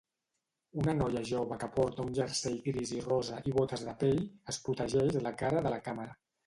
Una noia jove que porta un jersei gris i rosa i botes de pell es protegeix la cara de la càmera